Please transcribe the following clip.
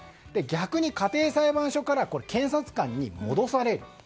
逆に家庭裁判所から検察官に戻される。